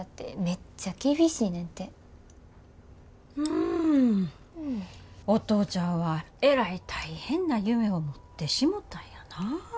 んお父ちゃんはえらい大変な夢を持ってしもたんやな。